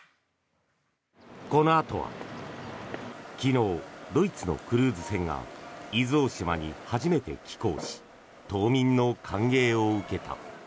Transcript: このあとは昨日、ドイツのクルーズ船が伊豆大島に初めて寄港し島民の歓迎を受けた。